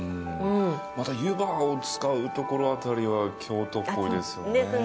また湯葉を使うところあたりは京都っぽいですよね。